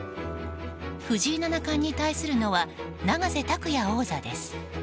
藤井七冠に対するのは永瀬拓矢王座です。